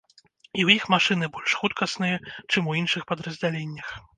І ў іх машыны больш хуткасныя, чым у іншых падраздзяленнях.